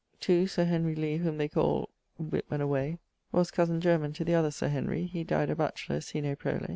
(2) Sir Henry Lee, whom they called Whip and away, was cosen german to the other Sir Henry; he dyed a batchelor, sine prole.